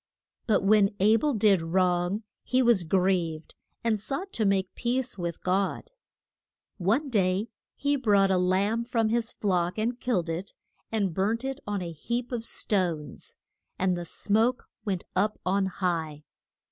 But when A bel did wrong he was grieved, and sought to make peace with God. One day he brought a lamb from his flock, and killed it, and burnt it on a heap of stones. And the smoke went up on high.